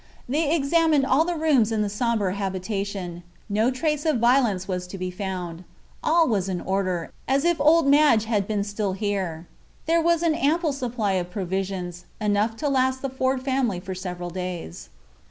They examined all the rooms in the somber habitation. No trace of violence was to be found. All was in order, as if old Madge had been still there. There was even an ample supply of provisions, enough to last the Ford family for several days.